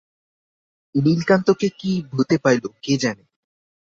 নীলকান্তকে কী ভূতে পাইল কে জানে।